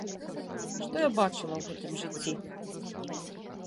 Што я бачыла ў гэтым жыцці?